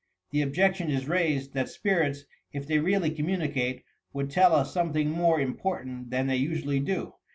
The objection is raised, that spirits, if they really communicate, would tell us something more im portant than they usually do.